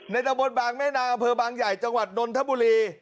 ในตะบดบางแม่นาเพอบางใหญ่จังหวัดดนทบุรี